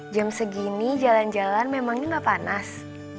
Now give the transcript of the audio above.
jam segini jalan jalan memang enggak panas